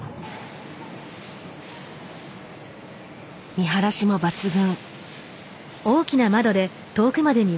見晴らしも抜群。